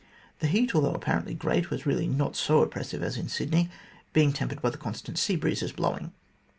The heat, though apparently great, was really not so oppressive as in Sydney, being tempered by the constant sea breezes blowing.